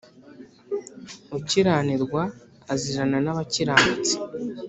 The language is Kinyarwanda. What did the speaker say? ukiranirwa azirana n’abakiranutsi,